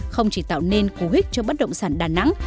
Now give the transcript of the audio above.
không chỉ tạo nên cú hích cho bất động sản đà nẵng